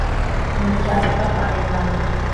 michasqa panay kan